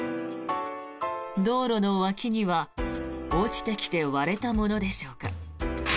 道路の脇には、落ちてきて割れたものでしょうか。